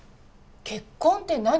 結婚って何？